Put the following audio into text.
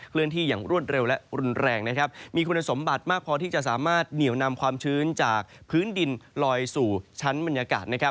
เลื่อนที่อย่างรวดเร็วและรุนแรงนะครับมีคุณสมบัติมากพอที่จะสามารถเหนียวนำความชื้นจากพื้นดินลอยสู่ชั้นบรรยากาศนะครับ